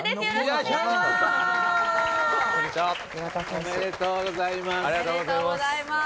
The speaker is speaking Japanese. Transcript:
おめでとうございます。